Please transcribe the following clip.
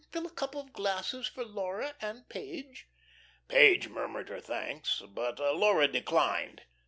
Fill a couple of glasses for Laura and Page." Page murmured her thanks, but Laura declined.